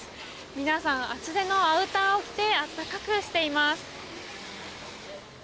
皆さん、厚手のアウターを着て暖かくしています。